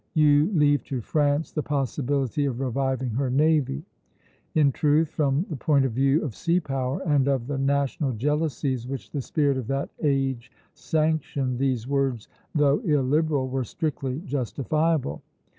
You leave to France the possibility of reviving her navy." In truth, from the point of view of sea power and of the national jealousies which the spirit of that age sanctioned, these words, though illiberal, were strictly justifiable.